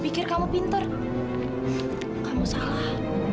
akhir kamu pintar kamu salah